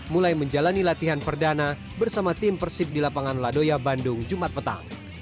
mulai menjalani latihan perdana bersama tim persib di lapangan ladoya bandung jumat petang